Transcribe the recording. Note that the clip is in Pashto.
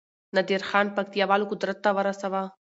نادرخان پکتياوالو قدرت ته ورساوه